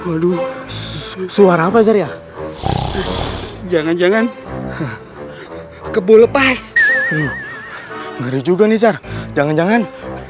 aduh suara apa saya jangan jangan kebo lepas juga nih jangan jangan